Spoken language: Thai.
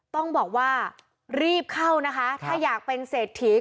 ต้องบอกว่ารีบเข้านะคะถ้าอยากเป็นเศรษฐี